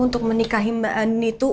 untuk menikahi mbak ani itu